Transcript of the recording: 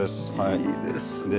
いいですね。